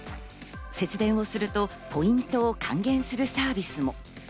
節電をするとポイントを還元するサービスも。